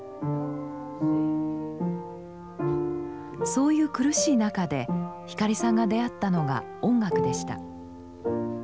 そういう苦しい中で光さんが出会ったのが音楽でした。